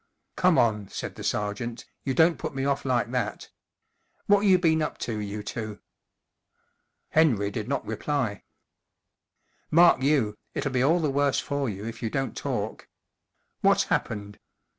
44 Come on," said the sergeant, 44 you don't put me off like that. What you been up to, you two ?" Henry did not reply. 44 Mark you, it'll be all the worse for you if you don't talk. What's happened